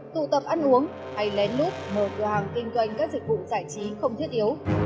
tụ tập ăn uống hay lén lút mở cửa hàng kinh doanh các dịch vụ giải trí không thiết yếu